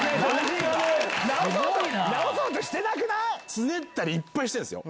つねったりいっぱいしてるんす。